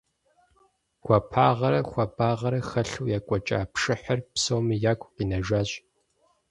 Гуапагъэрэ хуабагъэрэ хэлъу екӀуэкӀа пшыхьыр псоми ягу къинэжащ.